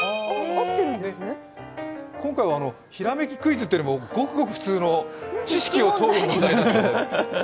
今回はひらめきクイズというよりも、ごくごく普通の知識を問う問題だった。